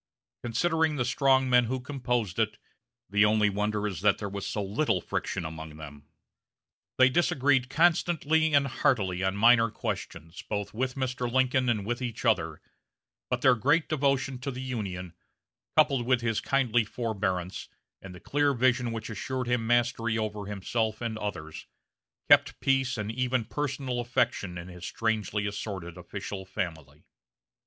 Considering the strong men who composed it, the only wonder is that there was so little friction among them. They disagreed constantly and heartily on minor questions, both with Mr. Lincoln and with each other, but their great devotion to the Union, coupled with his kindly forbearance, and the clear vision which assured him mastery over himself and others, kept peace and even personal affection in his strangely assorted official family.